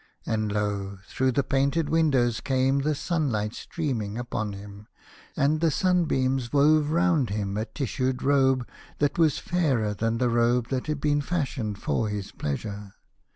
And lo ! through the painted windows came the sunlight streaming upon him, and the sun beams wove round him a tissued robe that was fairer than the robe that had been fashioned for his pleasure.